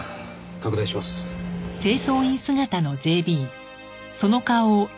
拡大します。